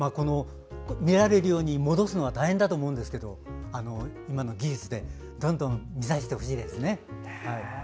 見られるように戻すの大変だと思うんですけど今の技術でどんどん見させてほしいですね。